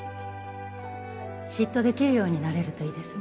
嫉妬できるようになれるといいですね